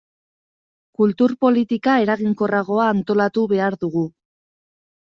Kultur politika eraginkorragoa antolatu behar dugu.